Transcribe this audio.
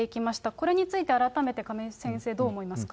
これについて、改めて、亀井先生、どう思いますか。